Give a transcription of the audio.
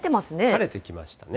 晴れてきましたね。